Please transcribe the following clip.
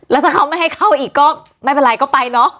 แล้วถ้าเขาไม่ให้เข้าอีกก็ไม่เป็นไรก็ไปเนอะ